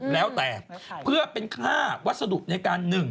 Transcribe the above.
แล้วแต่เพื่อเป็นค่าวัสดุในการหนึ่ง